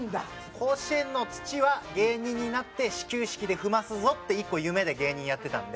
甲子園の土は芸人になって始球式で踏ますぞって１個夢で芸人やってたんで。